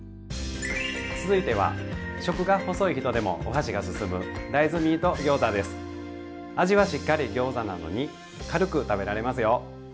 続いては食が細い人でもお箸が進む味はしっかりギョーザなのに軽く食べられますよ。